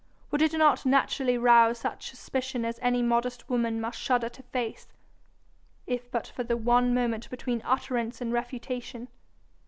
Would it not naturally rouse such suspicion as any modest woman must shudder to face, if but for the one moment between utterance and refutation.